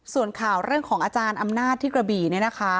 ส่วนข่าวเรื่องของอาจารย์อำนาจที่กระบี่เนี่ยนะคะ